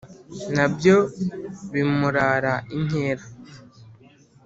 Na byo bimurara inkera;